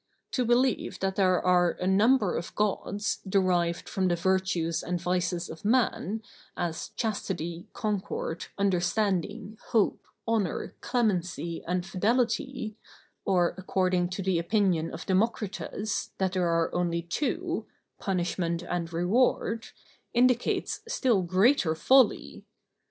To believe that there are a number of Gods, derived from the virtues and vices of man, as Chastity, Concord, Understanding, Hope, Honor, Clemency, and Fidelity; or, according to the opinion of Democritus, that there are only two, Punishment and Reward, indicates still greater folly.